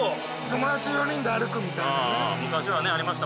友達４人で歩くみたいなねああああ